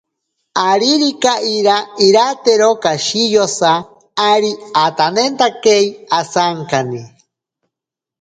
Aririka iira iratero kashiyosa ari atanentakei asankane.